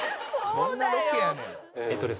どんなロケやねん。